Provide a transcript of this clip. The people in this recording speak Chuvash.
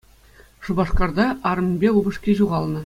Шупашкарта арӑмӗпе упӑшки ҫухалнӑ.